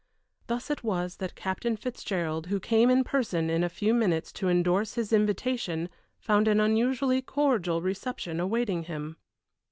Thus it was that Captain Fitzgerald, who came in person in a few minutes to indorse his invitation, found an unusually cordial reception awaiting him.